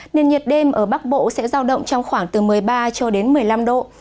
nên nhiệt đêm ở bắc bộ sẽ giao động trong khoảng từ một mươi ba cho đến một mươi năm độ